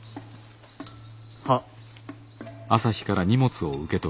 はっ。